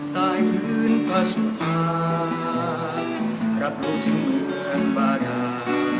ตายเหมือนพระสุทธารับโลกที่เมืองบาดา